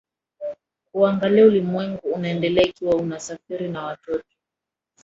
kuangalia ulimwengu unaendelea Ikiwa unasafiri na watoto